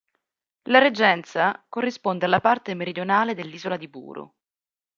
La reggenza corrisponde alla parte meridionale dell'isola di Buru.